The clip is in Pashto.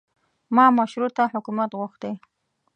ما مشروطه حکومت غوښتی.